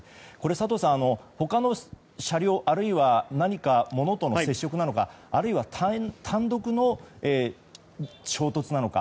佐藤さん、他の車両あるいは何か物との接触なのかあるいは単独の衝突なのか。